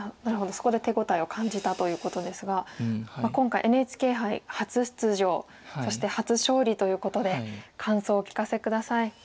そこで手応えを感じたということですが今回ＮＨＫ杯初出場そして初勝利ということで感想をお聞かせ下さい。